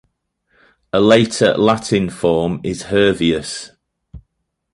A later Latin form is Herveus.